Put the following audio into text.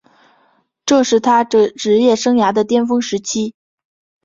这是他职业生涯的巅峰时期。